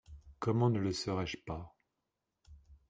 Comment ne le serais-je pas ?